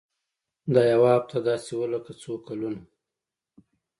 دا يوه هفته داسې وه لکه څو کلونه.